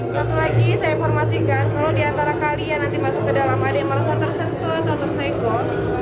satu lagi saya informasikan kalau diantara kalian nanti masuk ke dalam ada yang merasa tersentuh atau tersenggol